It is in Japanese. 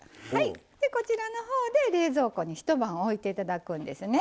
こちらのほうで冷蔵庫に一晩置いていただくんですね。